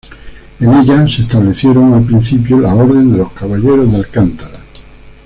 En ella se establecieron al principio la Orden de los Caballeros de Alcántara.